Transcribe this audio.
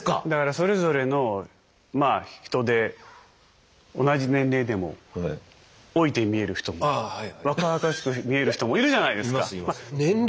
だからそれぞれのまあ人で同じ年齢でも老いて見える人も若々しく見える人もいるじゃないですか。